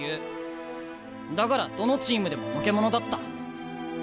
だからどのチームでものけ者だった。